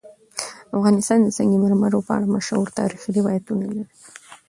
افغانستان د سنگ مرمر په اړه مشهور تاریخی روایتونه لري.